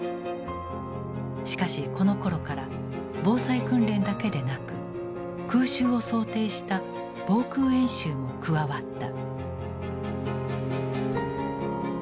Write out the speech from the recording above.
しかしこのころから防災訓練だけでなく空襲を想定した防空演習も加わった。